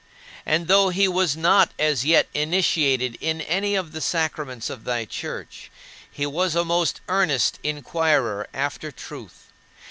And though he was not as yet initiated in any of the sacraments of thy Church, he was a most earnest inquirer after truth.